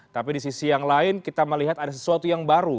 tapi di sisi yang lain kita melihat ada sesuatu yang baru